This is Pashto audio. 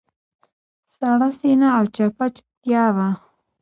سړه سینه او چپه چوپتیا وه.